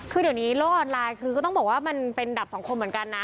คือเดี๋ยวนี้โลกออนไลน์คือก็ต้องบอกว่ามันเป็นดับสังคมเหมือนกันนะ